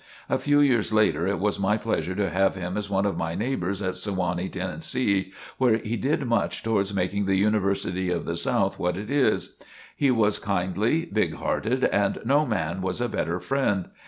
A few years later it was my pleasure to have him as one of my neighbors at Sewanee, Tennessee, where he did much towards making the University of the South what it is. He was kindly, big hearted, and no man was a better friend.